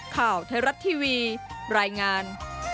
ข่าวไทยรัฐทีวีรายงาน